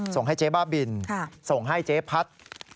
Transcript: ส่งให้เจ๊บ้าบินส่งให้เจ๊พัด